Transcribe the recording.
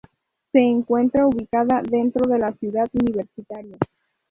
Se encuentra ubicada dentro de la ciudad universitaria.